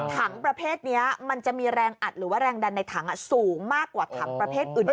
ถังประเภทนี้มันจะมีแรงอัดหรือว่าแรงดันในถังสูงมากกว่าถังประเภทอื่น